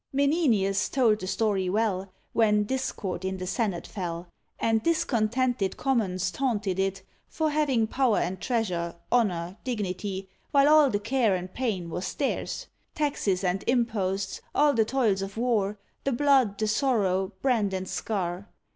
Menenius told the story well, When discord in the senate fell, And discontented Commons taunted it For having power and treasure, honour, dignity, While all the care and pain was theirs, Taxes and imposts, all the toils of war, The blood, the sorrow, brand and scar.